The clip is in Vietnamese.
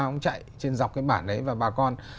ông chạy trên dọc cái bản đấy và bà con